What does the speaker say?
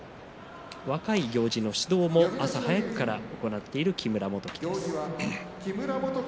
若い行司の指導も朝早くから行っている木村元基です。